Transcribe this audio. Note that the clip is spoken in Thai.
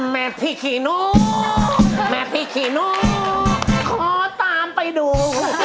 แม่พี่ขี่หนูแม่พี่ขี่หนูขอตามไปดู